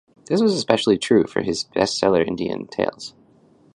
This was especially true for his bestseller, Indian Tales.